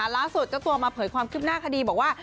เจ้าตัวมาเผยความคืบหน้าคดีบอกว่า